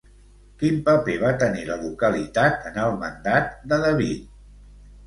Quin paper va tenir la localitat en el mandat de David?